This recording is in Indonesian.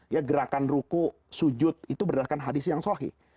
ya gerakan ruku sujud itu berdasarkan hadis yang sohih